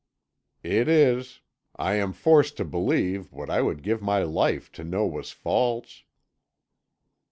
"It is. I am forced to believe what I would give my life to know was false."